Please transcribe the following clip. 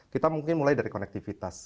kita mungkin mulai dari konektivitas